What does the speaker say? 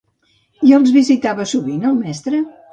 I els visitava sovint, el mestre?